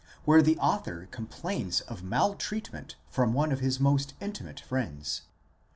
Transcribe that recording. where the author com plains of maltreatment from one of his most intimate friends.